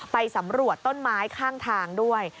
ไปสำรวจต้นไม้ข้างทางด้วย